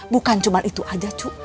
bukan cuma itu aja cuk